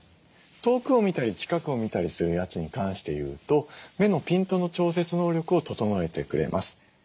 遠くを見たり近くを見たりするやつに関して言うと目のピントの調節能力を整えてくれます。